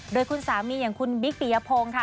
โดยคุณสามีอย่างคุณบิ๊กปิยพงศ์ค่ะ